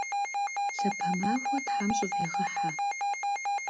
Lhape maxue them ş'ıviğehe!